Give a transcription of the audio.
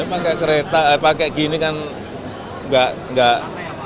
pakai kereta pakai gini kan enggak enggak